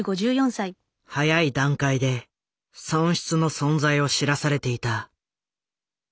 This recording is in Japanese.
早い段階で損失の存在を知らされていた。